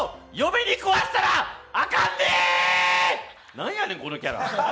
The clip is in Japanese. なんやねん、このキャラ！